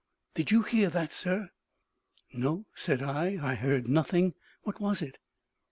did you hear that, sir?" "No," said I, "I heard nothing. What was it?"